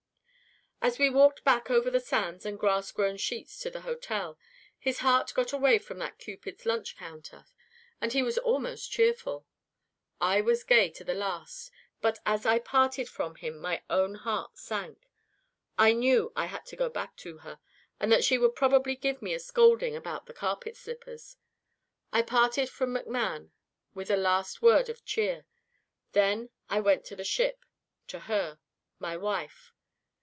"As we walked back over the sands and grass grown streets to the hotel, his heart got away from that cupid's lunch counter, and he was almost cheerful. I was gay to the last, but as I parted from him my own heart sank. I knew I had to go back to her, and that she would probably give me a scolding about the carpet slippers. I parted from McMann with a last word of cheer. Then I went to the ship to her. My wife.